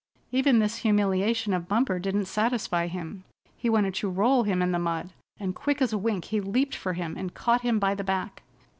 Even this humiliation of Bumper didn't satisfy him. He wanted to roll him in the mud, and quick as a wink he leaped for him and caught him by the back.